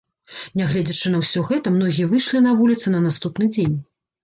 Нягледзячы на ўсё гэта, многія выйшлі на вуліцы на наступны дзень.